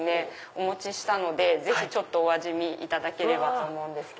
お持ちしたのでぜひお味見いただければと思うんです。